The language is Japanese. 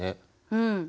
うん。